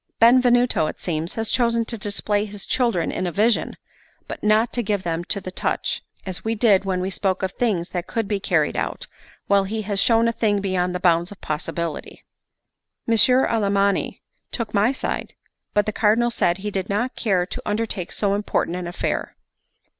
Benvenuto, it seems, has chosen to display his children in a vision, but not to give them to the touch, as we did when we spoke of things that could be carried out, while he has shown a thing beyond the bounds of possibility." Messer Alamanni took my side; but the Cardinal said he did not care to undertake so important an affair.